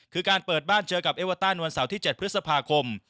คือการเปิดบ้านเจอกับเอเวอร์ตันวันเสาร์ที่๗พฤษภาคม